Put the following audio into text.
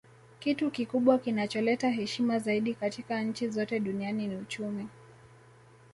Kitu kikubwa kinacholeta heshima zaidi katika nchi zote duniani ni uchumi